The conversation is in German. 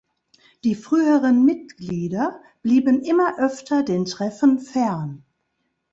Die früheren Mitglieder blieben immer öfter den Treffen fern.